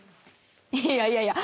いやいやいや。